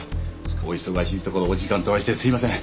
お忙しいところお時間取らせてすいません